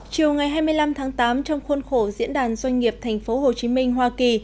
chiều ngày hai mươi năm tháng tám trong khuôn khổ diễn đàn doanh nghiệp tp hcm hoa kỳ